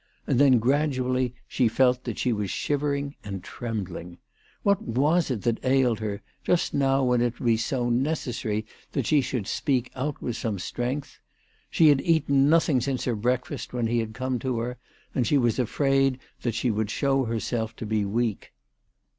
And then gradually she felt that she was shivering and trembling. What was it that ailed her, just now when it would be so necessary that she should speak out with some strength ? She had eaten nothing since her breakfast when he had come to her, and she was afraid that she would show herself to be weak.